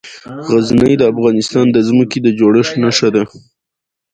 غزني د افغانستان د ځمکې د جوړښت نښه ده.